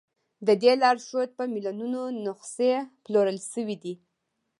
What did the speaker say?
د دې لارښود په میلیونونو نسخې پلورل شوي دي.